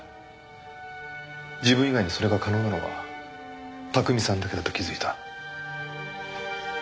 自分以外にそれが可能なのは巧さんだけだと気づいた。